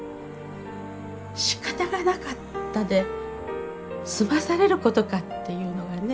しかたがなかったで済まされることかっていうのがね